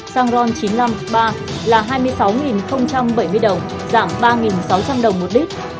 xăng ron chín mươi năm iii là hai mươi sáu bảy mươi đồng giảm ba sáu trăm linh đồng một lít